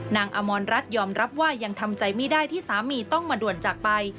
อมรรัฐยอมรับว่ายังทำใจไม่ได้ที่สามีต้องมาด่วนจากไป